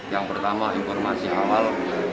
yang pertama informasi awal